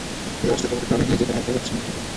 এই অবস্থায় তোমাকে গ্রামে নিয়ে যেতে আমার ভালো লাগছে না।